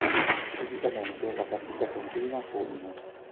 Tipicamente la partita continua con